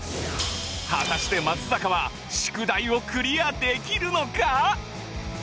果たして松坂は宿題をクリアできるのか？